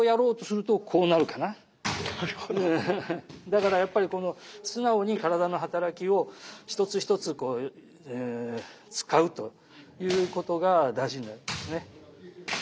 だからやっぱりこの素直に体の働きを一つ一つ使うということが大事になるんですね。